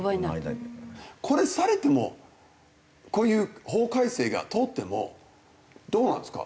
これされてもこういう法改正が通ってもどうなんですか？